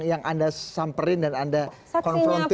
yang anda samperin dan anda konfrontir